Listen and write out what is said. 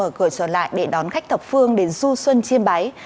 cơ sở tôn giáo đã được gửi trở lại để đón khách thập phương đến du xuân chiêm bái